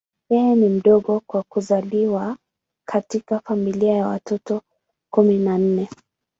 Yeye ni mdogo kwa kuzaliwa katika familia ya watoto kumi na nne.